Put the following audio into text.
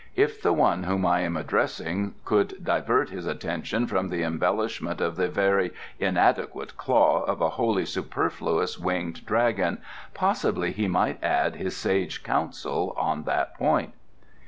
... If the one whom I am addressing could divert his attention from the embellishment of the very inadequate claw of a wholly superfluous winged dragon, possibly he might add his sage counsel on that point."